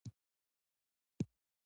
لکه ماته چې دې راکړي.